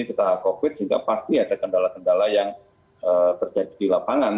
kita covid sehingga pasti ada kendala kendala yang terjadi di lapangan